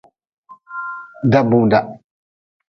Dabuda.